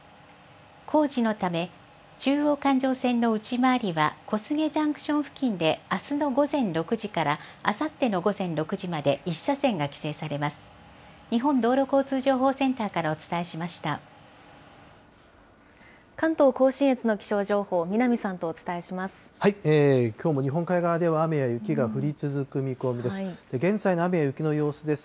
工事のため、中央環状線の内回りは、小菅ジャンクション付近であすの午前６時からあさっての午前６時まで、１車線が規制されます。